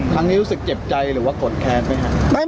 ทางนี้รู้สึกเจ็บใจหรือว่ากดแค้นไหมคะ